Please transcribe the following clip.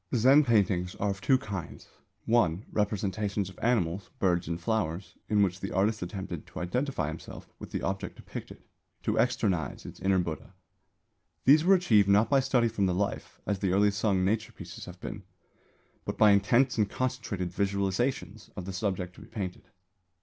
Zen paintings are of two kinds. (1) Representations of animals, birds and flowers, in which the artist attempted to identify himself with the object depicted, to externise its inner Buddha. These were achieved not by study from the life, as the early Sung nature pieces have been, but by intense and concentrated visualisation of the subject to be painted.